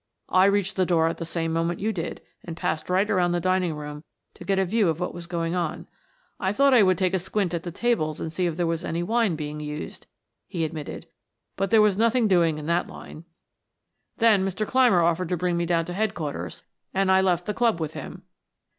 "I reached the door at the same moment you did and passed right around the dining room to get a view of what was going on. I thought I would take a squint at the tables and see if there was any wine being used," he admitted. "But there was nothing doing in that line. Then Mr. Clymer offered to bring me down to Headquarters, and I left the club with him."